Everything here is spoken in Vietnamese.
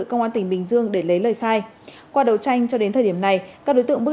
công an tỉnh bình dương để lấy lời khai qua đầu tranh cho đến thời điểm này các đối tượng bước